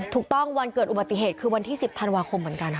ถูกต้องวันเกิดอุบัติเหตุคือวันที่สิบธันวาคมเหมือนกันค่ะ